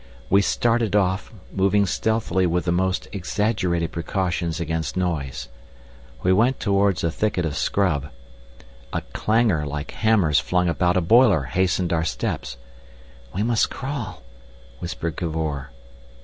We started off, moving stealthily with the most exaggerated precautions against noise. We went towards a thicket of scrub. A clangour like hammers flung about a boiler hastened our steps. "We must crawl," whispered Cavor.